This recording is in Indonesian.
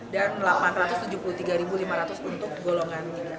dan rp delapan ratus tujuh puluh tiga lima ratus untuk golongan tiga